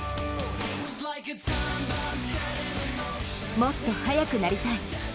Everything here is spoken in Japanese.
もっと速くなりたい。